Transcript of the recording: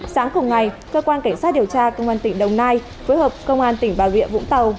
sáng cùng ngày cơ quan cảnh sát điều tra công an tỉnh đồng nai phối hợp công an tỉnh bà rịa vũng tàu